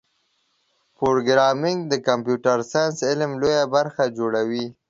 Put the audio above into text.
پروګرامېنګ د کمپیوټر ساینس علم لویه برخه جوړوي.